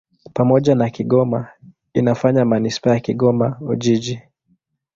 Pamoja na Kigoma inafanya manisipaa ya Kigoma-Ujiji.